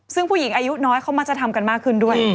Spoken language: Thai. ซึ่งผู้หญิงอายุน้อยเขามักจะทำกันมากขึ้นด้วย